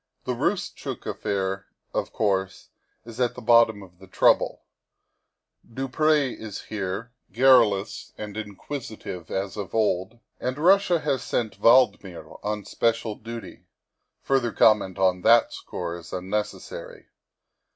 The Roostchook affair, of course, is at the bottom of the trouble; du Pr6 is here, garrulous and inquisitive as of old, and Russia has sent Valdmir on special duty; further comment on that score is unnecessary.